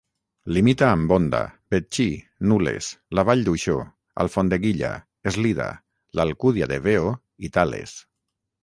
Limita amb Onda, Betxí, Nules, la Vall d'Uixó, Alfondeguilla, Eslida, l'Alcúdia de Veo i Tales.